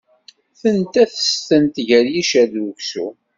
Tenta tistent gar yiccer d uksum.